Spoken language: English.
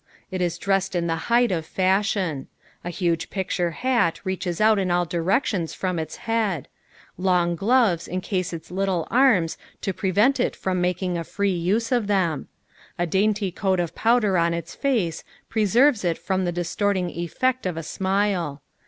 It is dressed in the height of fashion. A huge picture hat reaches out in all directions from its head. Long gloves encase its little arms to prevent it from making a free use of them. A dainty coat of powder on its face preserves it from the distorting effect of a smile.